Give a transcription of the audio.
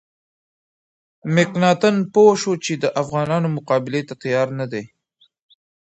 مکناتن پوه شو چې د افغانانو مقابلې ته تیار نه دی.